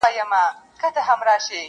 خو له سپي سره خاوند لوبي کولې٫